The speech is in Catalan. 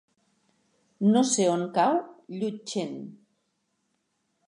No sé on cau Llutxent.